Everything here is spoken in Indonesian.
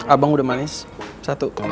abang udah manis satu